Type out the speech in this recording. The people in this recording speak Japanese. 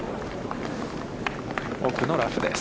奥のラフです。